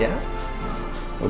nah tuan putri